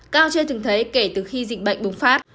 cao trên từng thấy kể từ khi dịch bệnh bùng phát